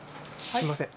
すいません。